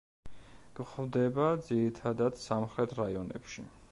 გვხვდება ძირითადად სამხრეთ რაიონებში.